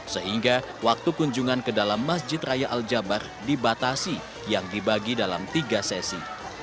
sehingga waktu kunjungan ke dalam masjid raya al jabar dibatasi yang dibagi dalam tiga sesi